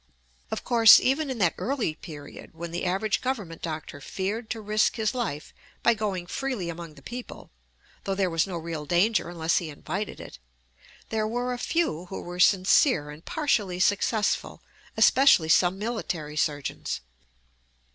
Of course, even in that early period when the average Government doctor feared to risk his life by going freely among the people (though there was no real danger unless he invited it), there were a few who were sincere and partially successful, especially some military surgeons.